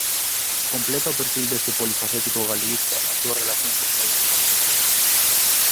Completa o perfil deste polifacético galeguista a súa relación cos medios de comunicación.